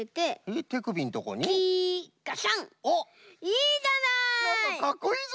いいじゃない！